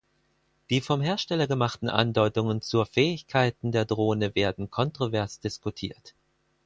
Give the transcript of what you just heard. Die vom Hersteller gemachten Andeutungen zur Fähigkeiten der Drohne werden kontrovers diskutiert.